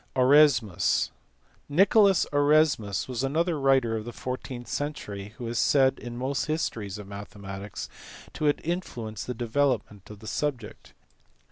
Oresnmst. Nicholas Oresmus was another writer of the fourteenth century who is said in most histories of mathematics to have influenced the development of the subject.